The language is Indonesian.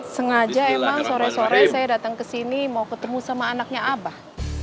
sengaja emang sore sore saya datang ke sini mau ketemu sama anaknya abah